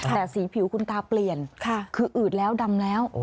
แต่สีผิวคุณตาเปลี่ยนคืออืดแล้วดำแล้ว